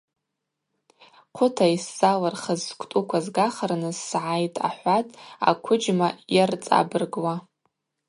Хъвыта йсзалырхыз сквтӏуква згахырныс сгӏайтӏ, – ахӏватӏ аквыджьма йарцӏабыргуа.